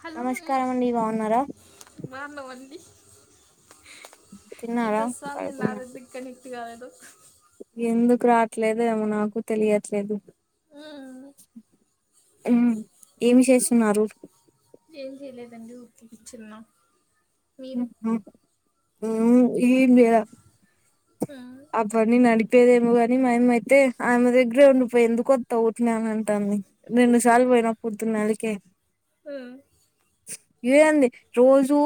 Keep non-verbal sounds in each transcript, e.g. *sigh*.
Hello మ్మ్. నమస్కారం అండి బాగున్నారా తిన్నారా పడుకున్నారా *unintelligible* కనెక్ట్ కాదు ఎందుకు రాట్లేదు ఏమో నాకు తెలియట్లేదు హ్మ్ హ్మ్ఏమి చేస్తున్నారు ఏం చెయలేదండి ఊరికే కూర్చున్నాం మీరు ఆ హ్మ్ ఏమి చేయలా ఏంది అవన్నీ నడిపేదేమో గాని మా అమ్మ అయితే ఆమె దగ్గరే ఉండిపో ఎందుకు వస్తావు ఊరికేనే అని అంటాంది రెండు సార్లు పోయినా పుడుతు నాలకే హ్మ్ ఏంది రోజూ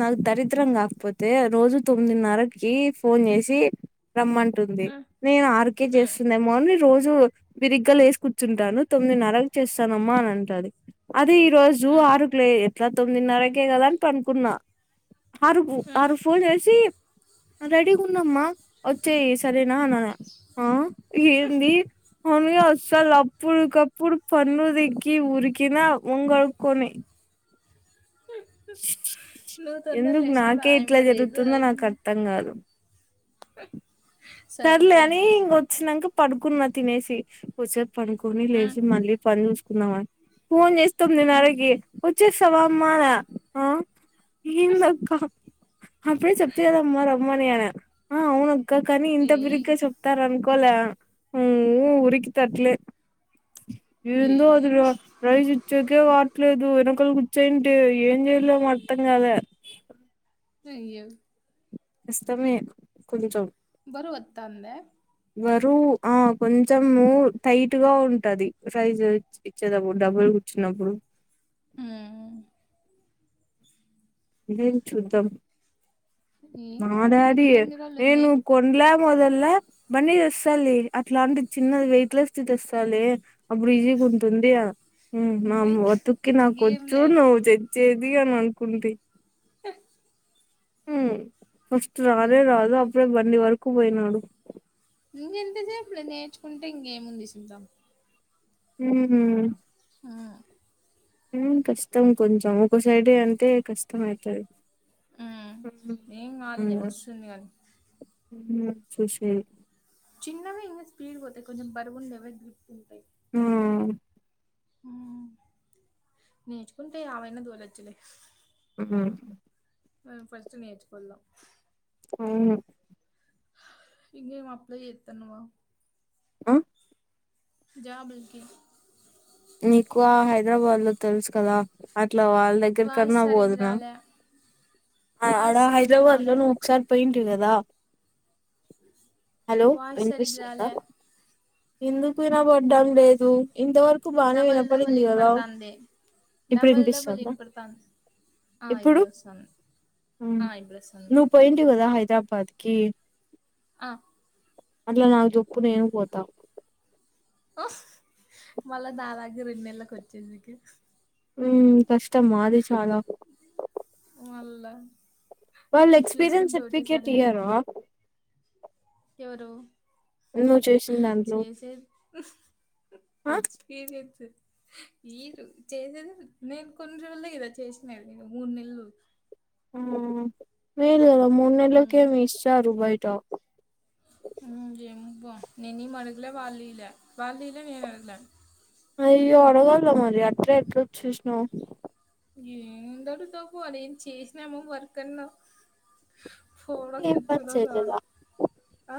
నాకు దరిద్రం కాకపోతే రోజు తొమ్మిదిన్నరకి ఫోన్ చేసి ది రమ్మంటుంది మ్మ్. నేను ఆర్కే మ్మ్. చేస్తుంది మా మమ్మీ రోజు తీరిగ్గా లేసి కూర్చుంటాను తొమ్మిదిన్నరకు చేస్తానమ్మా అని అంటది అదే ఈ రోజ్ జూ మ్మ్. ఆరుకులే ఎట్లా తొమ్మిదిన్నరకే కదా అని పనుకున్నా ఆరుకు మ్మ్. ఆరుఫ్ ఫోన్ చేసి అ రెడీగా ఉండమ్మా ఒచ్చేయి సరేనా అని అన అ ఏంది నార్మల్గా వ అసల్ అప్పుడుకప్పుడు పన్నుదిక్కి ఊరుకినా మొహం కడుక్కొని నువ్వు తొందరా లేసినప్పుడు ఆయమ్మ లేయదు ఆయమ్ తం గాదు అ సర్లే అనీ ఇంగో వొచ్చినంక పడుకున్నా తినేసి కొసేపు పనుకొని మ్మ్. లేసి మళ్ళీ పని చూసుకుందామ ఫోన్ చేసి మ్మ్. తొమ్మిదిన్నరకి వొచ్చేసావా అమ్మా అన అ ఏందక్కా అప్పుడే చెప్తి కదమ్మా రమ్మని ఆన ఆ అవునక్కా కానీ ఇంత ఏయ్ బిరిగ్గా చెప్తారనుకోలే ఊమ్మ్ ఉరికితట్లే ఏందో ఏయ్ అదిరా రైజి చ్చేకే వాట్లేదు ఎనకాల కూర్చోయింటే ఏం చేయలో ఏమో అర్థం కాల అయ్యో కష్టమే కొంచం బరువొత్తాందా బరువు ఆ కొంచము టైట్‌గా ఉంటది రైజు ఇచ్చేదప్పుడు డబుల్ కూర్చున్నప్పుడు ఉహ్మ్ ఇదేం చూద్దాం మా ఏం- డాడీయె ఎన్ని రోజులు ఏ ఉంది ను కొన్లా మొదోళ్ల బండి తెస్సలే అట్లాంటిది చిన్నది వెయిట్ లెస్ ది తెస్తాలే అప్పుడు ఈజీగా ఉంటుంది ఆ ఉమ్మ్ నా అమ్మాయి ఒతుక్కి ఇంకేం నాకొచ్చు లే నువ్వు తె చ్చేది అని అనుకుంటి ఖే ఉమ్మ్ ఫస్ట్ రానే ఇం- రాదు అప్పుడే బండి వరకు పోయినాడు ఇంకెంత సేపులే నేర్చుకుంటే ఇంగేముంది సుద్దాం ఉమ్మ్ ఆ ఉమ్ కష్టం కొంచెం ఒక సైడే అంటే కష్టం అయితది ఉమ్ ఆ ఏం కాదులే అవునా వస్తుంది కానీ ఆ చూసేది చిన్నవే ఇంగ స్పీడ్ పోతాయి కొంచెం బరువుండేవే గ్రిప్పుంటాయ్ ఆహ్ ఉమ్ నేర్చుకుంటే యావైన దోలోచ్చులే ఉమ్ మనం ఫస్ట్ నేర్చుకోవాలా అవును ఇంగేం అప్లై చేత్తున్నావా అ జాబుల్కి నీకు ఆ హైదరాబాద్‌లో తెలుసు కదా అట్లా వాల్ దగ్గర వాయిస్ కన్నా సరిగ్గా పోదునా రాలే వాయిస్ సరిగ్గా రాలే ఒక సారి పోయింటివి కదా హలో వాయిస్ సరిగ్గా వినిపిస్తుందా రాలే ఎందుకు ఇనబడ్డం లేదు ఇంతవరు డబల్ డబల్ ఇనపడుతాంది ఇప్పుడు డబల్ డబల్ వినిపిస్తుందా ఇనపడుతాం ఆ ఇప్పుడు వసం ఉమ్, ఆ ఇప్పుడు వసం నువ్వు పోయింటివి కదా హైదరాబాద్ కీ అ అట్లా నాకు జెప్పు నేను పోతా మళ్ళా దాదాపు రెండు నెల్లకు వచ్చేసీకీ ఊమ్ కష్టం మాది చాలా వరకు మల్ల వాళ్ళు ఎక్స్పీరియన్స్ సర్టిఫికేట్ ఇయరా ఎవరూ నువ్వు చేసిన దాంట్లో చేసేది ఆ పిచ్ ఈవెంట్సు ఈరు చేసేదే నేన్ కొన్ని రోజులే కద చేసిన్నేదీ మూన్నెళ్ళు ఉమ్ ఏం లేదు మూడు ఉమ్, నెల్లకే మో ఇస్సారు బయట ఊమ్ ఏమోబ్బా నేనేమ్ అడగలా వాల్లీలా వాల్లీలా మేము అడగలా అయ్యో అడగాల కదా మరీ అట్ల ఎట్ల వచ్చేసినవ్ ఏందడుగుతావ్ పో ఆడేం చేసినామా వర్క్ అన్నా పోవడం ఏం పని కుచ్చోవడం రావడం చేయలేదా ఆ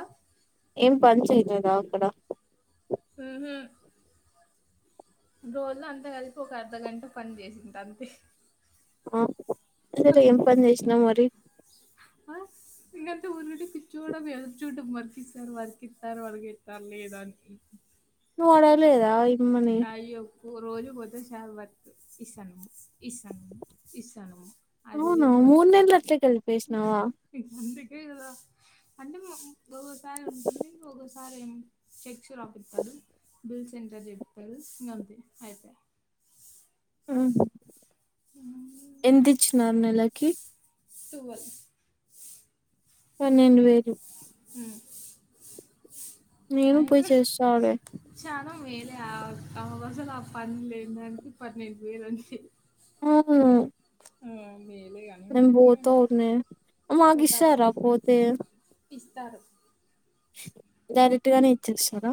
ఏం పని చేయలేదా అక్కడా ఊహు రోజులో అంతా కలిపి ఒక అర్ధగంట పని చేసింటా అంతే ఆ ఇంటిదగ్గర ఏం పని చేసినావ్ మరీ *inaudible* ఇంగంతే ఊరు నుండి పిచ్చోడగ ఎదురుచూడ్డం వర్క్ ఇస్తారు వర్క్ ఇస్తారు వర్క్ ఇస్తారు లేదా అని నువ్వు అడగలేదా ఇ అయ్యో ఓ రోజు పోతే సాల్ వర్క్ ఇస్సానమ్మ ఇస్సానమ్మ ఇస్సానమ్మ అదే అవునా మూడు మాటే నెలలు అట్లే కలిపేసినావా ఇంగ్ అందుకే కదా అంటే మా ఒక్కోసారి ఉంటుంది ఇంక ఒక్కోసారి ఏమో చెక్సు రాపిత్తాడు బిల్స్ ఎంటర్ చేపిత్తాడు ఇంగ అంతే అయిపా ఉ నెలకి టువల్ పన్నెండు వేలు ఊ నేను పోయి ఆయన్ను చేస్తాలే చానా మేలే ఆ ఆవసలు ఆ పని లేని దానికి పన్నెండు వేలు అంటే ఊ మేలేగా నేన్ పోతానే పోతావా మాకిస్సారా పోతే ఇస్తారు డైరెక్ట్ గానే ఇచ్చేస్సారా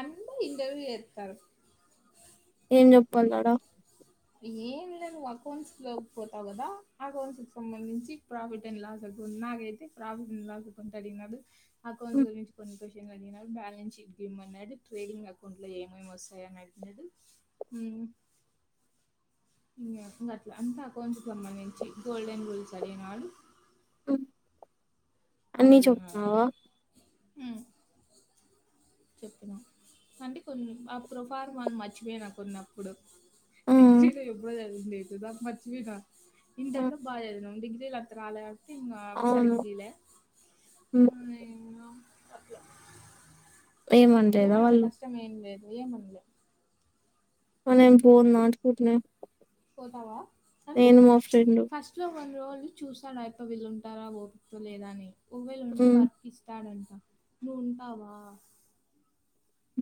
అందరు ఇంటర్వ్యూ జేత్తారు ఏం చెప్పల్ల ఆడా ఇంగేం లేదు నువ్వు అకౌంట్స్ లోకి పోతావు కదా అకౌంట్స్ కి సంబంధించి ప్రాఫిట్ అండ్ లాస్ ఎంతుంది నాకైతే ప్రాఫిట్ అండ్ లాస్ అకౌంట్ అడిగినాడు అకౌంట్స్ గురించి కొన్ని క్వషన్ తినడిగినాడు బాలెన్స్ షీట్ గిమ్మన్నాడు ట్రేడింగ్ అకౌంట్ లో ఏమేమి వస్తయో అని అడిగినడూ మ్ ఇంగేమ్ ఇంగ అట్ల అంటే అకౌంట్స్ కి సంబంధించి గోల్డ్డెన్ రూల్స్ అడిగినాడు ఉప్ అలా అడిగినాడు అంతే ఊ చెప్పినా అంటే కొన్ని ఆ ప్రోఫార్మాని మర్చిపోయినా కొన్నప్పుడు డిగ్రీలో ఎప్పుడో చదివంది లేదు దా మర్చిపోయిన హ్మ్. ఇంటర్లో బాగా చదివినాం డిగ్రీలంత రాలే కాబట్టి ఇంకా అవును సరిగ్గా ఇయ్యలే హ్మ్ ఇంగా అట్లా ఏమనలేదా ఏమంత వాళ్ళు కష్టం ఏం లేదు ఏముందిలే ఆ నేను పోను నాటుకుంటనే పోతావా నేను మా ఫ్రెండు ఇంట్లో కొన్ని రోజులు చూసాడు అయిపో వీళ్ళు ఉంటారా ఓపితో లేదా అని ఒకవవేళ ఉంటే హ్మ్ వర్క్ ఇస్తాడంట నువ్వు ఉంటావా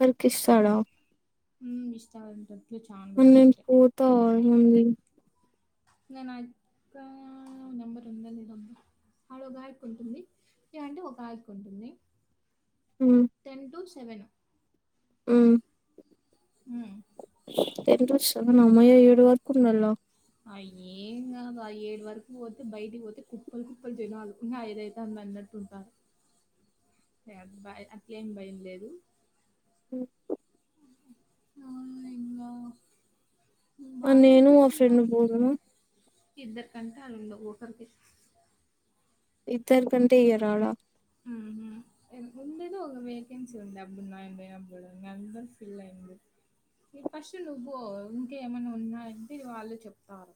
వర్క్ ఇస్తాడా ఉ ఇస్తాడంట అట్లే చానా మరి నేను రోజులుంటే. పోత ఎల్లుండి నే నా అక్క నంబర్ ఉందా లేదా ఆడగాయక్క ఉంటుంది ఓ గాయక్క ఉంటుంది ఉంటుంది ఉ టెన్ టు సెవెను హ్మ్ ఉ టెంటు సెవెనా అమ్మయ్య ఏడు వరకు ఉండాలా అ ఏం కాదు ఏడు వరకు పోతే బయటకి పోతే కుప్పలు కుప్పలు జనాలు ఇంకా ఐదాతాంది అన్నట్టు ఉంటారు అట్లే ఏమి భయం లేదు ఉ ఔనింగ మరి బానే నేను మా అనిపించిందా ఫ్రెండ్ పోదుము ఇద్దరి కంటే అళ్ళ ఉండవు అనిపించింది ఇద్దరికంటే ఏరాళ ఎంత ఉండే ఒక వేకన్సీ ఉంది అప్పుడున్నా నేను పోయినప్పుడు అప్పుడు అందర్ ఫిల్ అయినంది ఈ ఫస్ట్ నువ్వు ఇంకేమైనా ఉన్నాయంటే వాళ్ళు చెప్తారు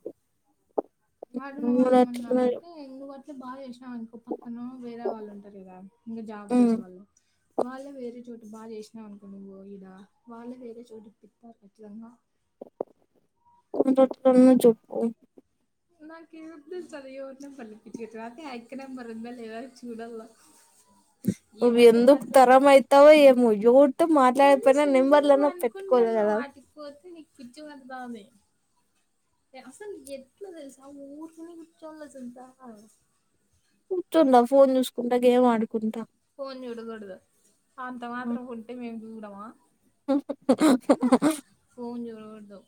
ఆడున వాళ్ళు మరి అట్లనే ఏమన్నాడంటే ఇంకా వాళ్లు అంటే బాగా చేసాం ఇంకో పక్కనో వేరే వాళ్ళు ఉంటారు కదా ఇంకా జాబ్ హ్మ్ చేసేవాళ్ళు వాళ్ళ వేరే చోటు బాగా చేసినావు అనుకో నువ్వు ఇగ వాళ్ళే వేరే చోటు పంపిస్తారు ఖచ్చితంగా ఒకచోట నువ్వు చెప్పు నాకెంత చలిగా ఉన్నా పర్లేదు ఎందుకంటే ఆ అక్క నెంబర్ ఉందా లేదా చూడల నువ్ ఎందుకు తరమయితవొ ఏమో ఎవరితో మాట్లాడకపోయినా నెంబర్లు అన్న కుంటున్నా వాటికి పోతే నీకు పిజ వడదామ అసలు ఎంట్ల తెలుసా ఊరీకనే కూర్చోవాలా తెలుసా కూర్తుండా ఫోన్ చూసుకుంటా గేమ్ ఆడుకుంటా ఫోన్ చూడకూడదు అంత హ్మ్. మాత్రం ఉంటే మేము చూడమా ఫోన్ చూడకూడదు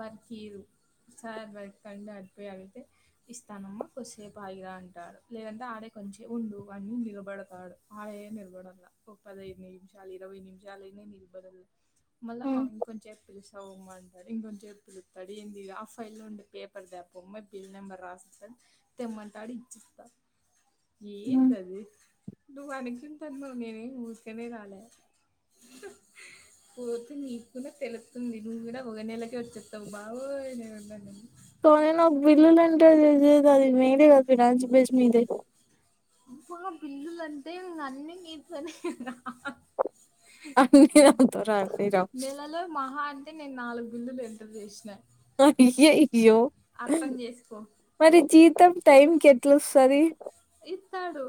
వర్క్ ఇయర్ సార్ వర్క్ అంటే అటు పోయి అడిగితే ఇస్తానమ్మా కొద్సేపుయిగా ఆగిరా అంటాడు లేదంటే ఆడే కొంచె ఉండు అన్ని నిలబేడతాడు ఆడే నిలబడాల ఒప్పదైదు నిమిషాలు ఇరవై నిమిషాలులేనే నిలబడాల మళ్ళా హ్మ్. ఇం కొంచెం పిలుస్తంది అమ్మ అంటాడు ఇంకొంచెం పిలుస్తాడు ఏంది ఆ ఫైల్ ఉండే పేపర్ తేపోమ్మ బిల్ నెంబర్ రాసీస్తాడు తెమ్మంటాడు ఇచ్చిస్తా ఏంది అది నువ్వు అనుకుంటున్నావు నేనే ఊరీకనే రాలే పోతే నీకు కూడా తెలుస్తుంది నువ్వు కూడా ఒక నెలకే వచ్చేస్తావు బాబోయ్ నేనుండనని కానీ నాకు బిల్లులు అంటే అది అది నేనే కప్పిన బేస్ మీదే ఆ బిల్లులంటే అన్నీ నీతోనే కదా అన్ని నాతో రాసిర్రు వీళ్ళలో మహా అయితే నేను నాలుగు బిల్లులు ఇంటర్ చేసినా ఆ అయ్యయ్యో చేసుకో మరి జీతం టైం కి ఎట్లా వస్తది ఇత్తాడు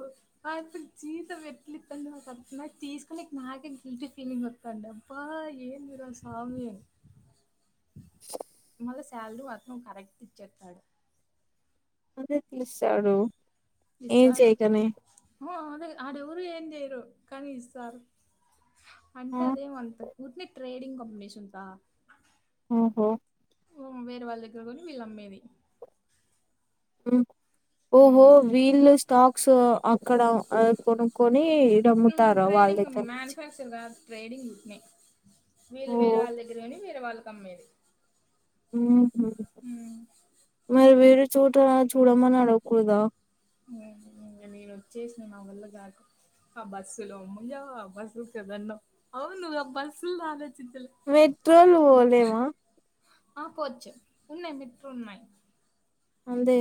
ఆ ఇప్పుడు జీతం ఎట్లా ఇత్తుండు అర్థం తీసుకొని నా గల్టీ ఫీలింగ్ అత్తది అత్తంది అబ్బా ఏందిరా మీరా స్వామి చ్ మళ్ళ శాలరీ మాత్రం కరెక్ట్ ఇచ్చేస్తాడు అదే పిలుస్తాడు ఇస్తాడు అదే అడ ఆడవరు ఏం చెయరు కానీ ఇస్తారు ఆ అంటే అదేమో అంత ఉట్టి ట్రేడింగ్ కంపెనీషన్ ఆ ఓహో వేరే వాళ్ళ దగ్గరకొని వీళ్ళు అమ్మేది ఉ ఓహో హ్మ్. వీళ్ళ స్టాక్స్ అక్కడ కొనుక్కొని వీళ్లు తేస్తార వాళ్ళ దగ్గర నుంచి ట్రైడింగ్ ఇట్లనే వీళ్ళు ఓ వేరే వాళ్ళ దగ్గర కోని వేరే వాళ్ళకి అమ్మేది ఉ హు మరి వేరు చోట చూడమని అడగకూడదా ఉ హు నేను వచ్చేసిన నా వల్ల కాదు ఆ బస్సు లో ముయ్య ఆ బస్సు కదన్న అవును ఆ బస్సు ఆలోచిచలే మెట్రో లో పోవాల్నేమో ఆ పోవచ్చు ఉన్నాయి మెట్రో ఉన్నాయి అంతే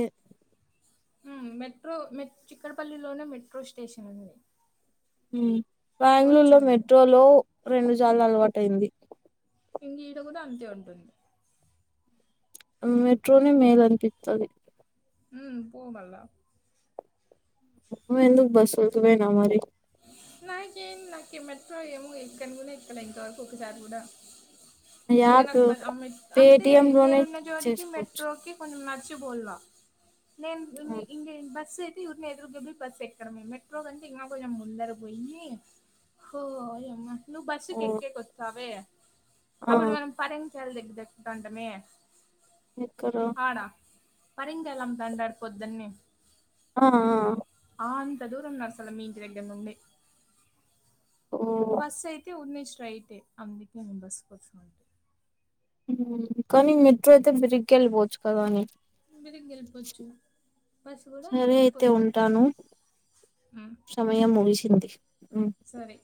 మెట్రో మె చిక్కడపల్లిలోనే మెట్రో స్టేషన్ ఉంది బెంగళూరు పోవచ్చు లో నువ్వు మెట్రో లో రెండు సార్లు అలవాటుయింది ఇంగా ఈట కూడా అంతే ఉన్నది మెట్రోనే మేలు అనిపిస్తుంది ఉ పోమళ్ల నువ్వు ఎందుకు బస్సులోకి పోయినవ్ మరి నాకే నాకే మెట్రో ఏమో ఇక్కనుగుడ ఇక్కలే ఇంతవరకు ఒకసారి కూడా ఇంకా యాప్ నాకు అంబేద్కర్ అంటే పేటిఎం లోనే నేనున్న చోటికి చేసుకోవచ్చు మెట్రోకి కొంచెం నడిచి పోవాలా నేను ఇ బస్ ఊరికి ఎదురుగ వెళ్లి బస్ ఎక్కడమే మెట్రో కంటే ఇంగా కొంచెం ములార పోయిన హో అమ్మా నువ్వు ఓ బస్సుకి ఎక్కేకి వస్తావే ఆ అప్పుడు మనం పరంకల దగ్గర ఎక్కుతాండమే ఎక్కడ ఆడా పరిం కాయలు అమ్ముతా ఉంటాలు పొద్దునే ఆ ఆ ఆ అంత దూరం ఉన్నారు అసలు మీ ఇంటి దగ్గర నుండి ఓ బస్సు అయితే ఊరి నుంచి స్ట్రైటే అందుకే నేను బస్సుకు వస్తా అంట కానీ మెట్రో అయితే ఫీరిగ్ ఎలిపోచ్చు కాదనే మీరిగెల్ పోచ్చు సరే అయితే ఉంటాను హ్మ్. సమయం ముగిసింది సరే.